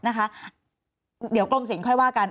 นะคะเดี๋ยวกรมสินค่อยว่ากัน